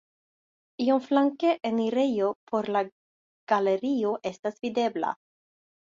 Iom flanke enirejo por la galerio estas videbla.